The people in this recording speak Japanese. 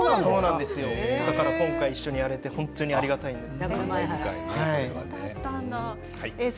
だから今回、一緒にやれて本当にありがたいです。